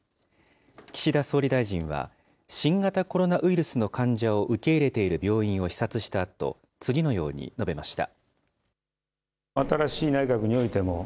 岸田総理大臣は、新型コロナウイルスの患者を受け入れている病院を視察したあと、次のように述べました。